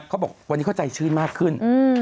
เขาบอกวันนี้เขาใจชื่นมากขึ้น